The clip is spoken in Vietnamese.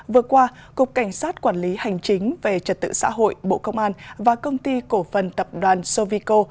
vừa qua cục cảnh sát quản lý hành chính về trật tự xã hội bộ công an và công ty cổ phần tập đoàn sovico